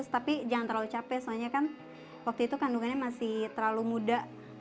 tapi jangan terlalu capek soalnya kan waktu itu kandungannya masih terlalu muda